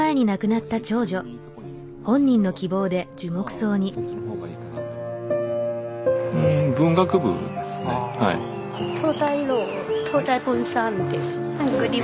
そっちの方がいいかなと。